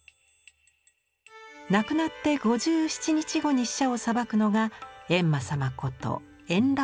亡くなって５７日後に死者を裁くのが閻魔様こと閻羅王。